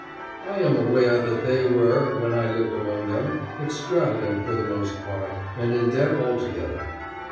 I am aware that they were, when I lived among them, extravagant for the most part, and in debt altogether.